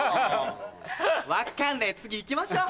分かんねえ次行きましょう。